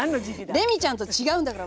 レミちゃんと違うんだから。